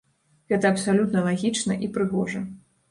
Гэта абсалютна лагічна і прыгожа.